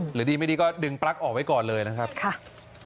หรือดีไม่ดีก็ดึงปลั๊กออกไว้ก่อนเลยนะครับค่ะ